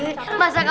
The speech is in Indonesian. dih tunggu aja